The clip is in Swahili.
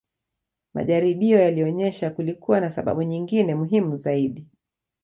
Majaribio yalionyesha kulikuwa na sababu nyingine muhimu zaidi